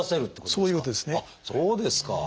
そうですか！